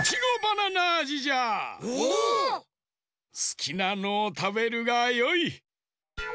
すきなのをたべるがよい。